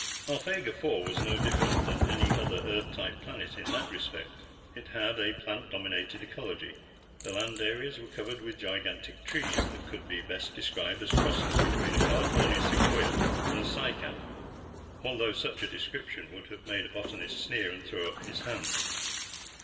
Alphegar IV was no different than any other Earth type planet in that respect. It had a plant dominated ecology; the land areas were covered with gigantic trees that could best be described as crosses between a California sequoia and a cycad, although such a description would have made a botanist sneer and throw up his hands.